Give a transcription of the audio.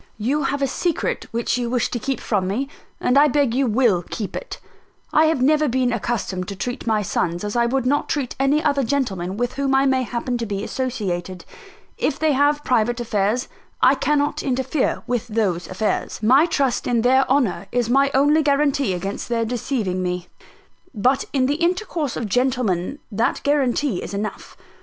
You have a secret which you wish to keep from me; and I beg you will keep it. I have never been accustomed to treat my sons as I would not treat any other gentlemen with whom I may happen to be associated. If they have private affairs, I cannot interfere with those affairs. My trust in their honour is my only guarantee against their deceiving me; but in the intercourse of gentlemen that is guarantee enough.